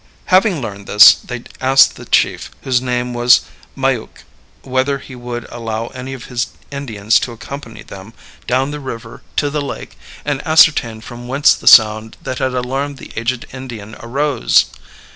Having learned this, they asked the chief, whose name was Maiook, whether he would allow any of his Indians to accompany them down the river to the lake and ascertain from whence the sound that had alarmed the aged Indian arose.